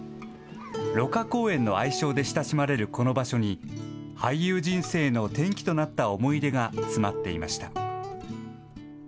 芦花公園の愛称で親しまれるこの場所に俳優人生の転機となった思い出が詰まっていました。